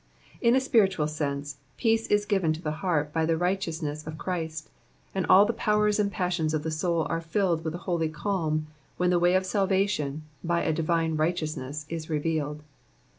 In a spiritual sense, peace is given to the heart by the righteousness of Christ ; and all the powers and passions of the soul are filled with a holy calm, when the way of salvation, by a divine righteousness, is revealed.